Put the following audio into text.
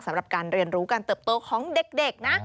สำหรับการเรียนรู้การเติบโตของเด็กนะ